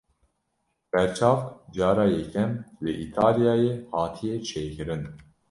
Berçavk cara yekem li Îtalyayê hatiye çêkirin.